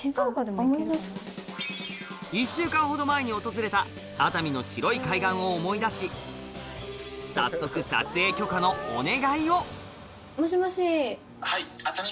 １週間ほど前に訪れた熱海の白い海岸を思い出し早速撮影許可のお願いをもしもし。